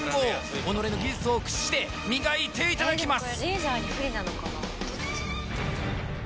己の技術を駆使して磨いていただきます！